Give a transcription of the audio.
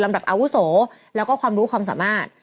อาวุโสแล้วก็ความรู้ความสามารถ